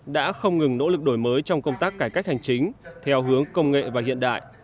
đã không ngừng nỗ lực đổi mới trong công tác cải cách hành chính theo hướng công nghệ và hiện đại